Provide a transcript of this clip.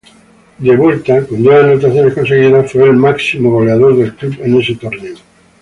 Vuelto, con diez anotaciones conseguidas, fue el máximo goleador del club en ese torneo.